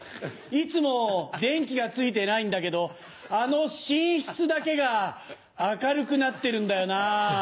いつも電気がついてないんだけどあの寝室だけが明るくなってるんだよな。